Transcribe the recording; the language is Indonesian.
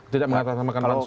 tidak mengatakan sama kan pansus